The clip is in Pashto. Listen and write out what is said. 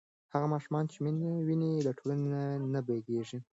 هغه ماشوم چې مینه ویني له ټولنې نه بېلېږي.